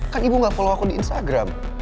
kan ibu gak follow aku di instagram